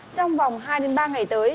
trong vòng hai đến ba ngày tới